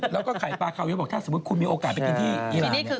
แล้วก็ไขปลาขาวเยียบบ่อยถ้าสมมุติคุณมีโอกาสไปกินที่อิหร่า